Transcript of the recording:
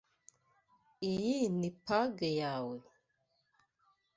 Iyi ni page yawe?